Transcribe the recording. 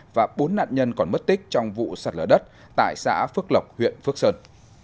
và bốn nạn nhân còn mất tích trong vụ sạt lở đất tại xã phước lộc huyện phước sơn